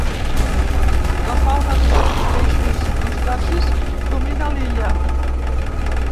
La fauna d'ocells, peixos i crustacis domina l'illa.